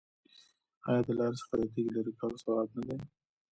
آیا د لارې څخه د تیږې لرې کول ثواب نه دی؟